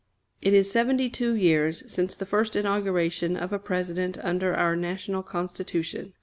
It is seventy two years since the first inauguration of a President under our National Constitution.